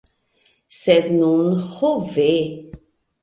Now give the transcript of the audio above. Sed nun, ho ve!